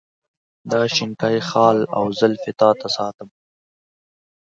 دا شینکی خال او زلفې تا ته ساتم.